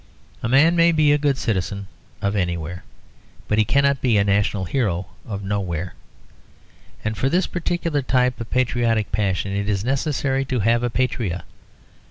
A man may be a good citizen of anywhere, but he cannot be a national hero of nowhere; and for this particular type of patriotic passion it is necessary to have a patria.